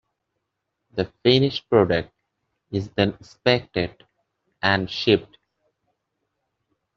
The finished product is then inspected and shipped.